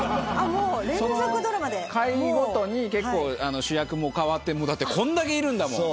回ごとに結構主役も代わってだってこんだけいるんだもん。